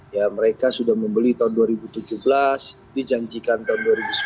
ya mereka sudah membeli tahun dua ribu tujuh belas dijanjikan tahun dua ribu sembilan belas